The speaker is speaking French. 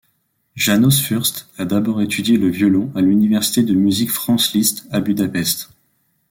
János Fürst a d'abord étudié le violon à l'Université de musique Franz-Liszt à Budapest.